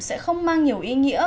sẽ không mang nhiều ý nghĩa